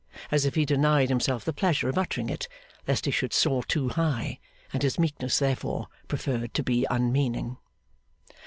As if he denied himself the pleasure of uttering it, lest he should soar too high; and his meekness therefore preferred to be unmeaning.